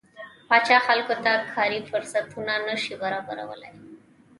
پاچا خلکو ته کاري فرصتونه نشي برابرولى.